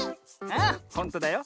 ああほんとだよ。